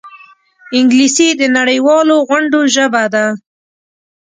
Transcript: انګلیسي د نړيوالو غونډو ژبه ده